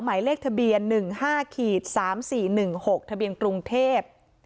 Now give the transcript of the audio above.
หมายเลขทะเบียนหนึ่งห้าขีดสามสี่หนึ่งหกทะเบียนกรุงเทพ